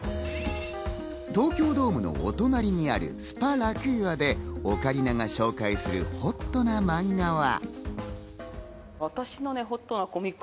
東京ドームのお隣にあるスパラクーアでオカリナが紹介するホットなマンガは。